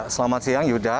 selamat siang yuda